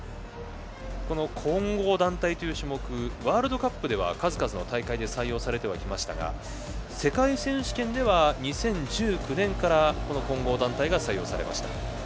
この混合団体という種目ワールドカップでは数々の大会で採用されてはきましたが世界選手権では２０１９年から混合団体が採用されました。